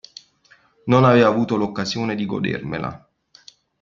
Non avevo avuto l'occasione di godermela.